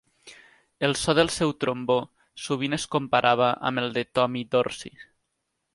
El so del seu trombó sovint es comparava amb el de Tommy Dorsey.